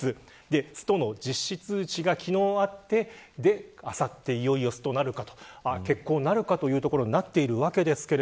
ストの実施通知が昨日あってあさって、いよいよスト決行なるか、というところになっているわけです。